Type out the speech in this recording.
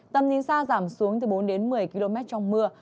tầm nhìn xa giảm xuống từ bốn đến một mươi km trong mưa